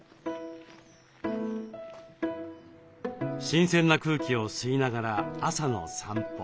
新鮮な空気を吸いながら朝の散歩。